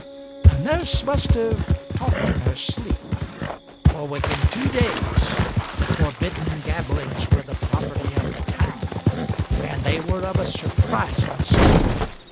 A nurse must have talked in her sleep, for within two days the forbidden gabblings were the property of the town; and they were of a surprising sort.